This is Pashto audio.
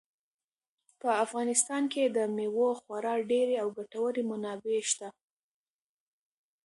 په افغانستان کې د مېوو خورا ډېرې او ګټورې منابع شته.